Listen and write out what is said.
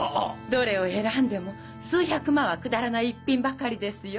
どれを選んでも数百万は下らない逸品ばかりですよ。